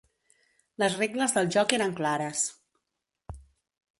Les regles del joc eren clares.